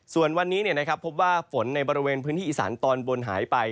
ส่วนวันนี้พบว่าฝนในบริเวณพื้นที่อีสานตอนบนหายไป